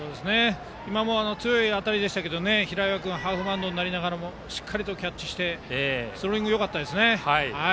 今も強い当たりでしたが平岩君ハーフバウンドになりながらもしっかりとキャッチしてスローイングよかったですね。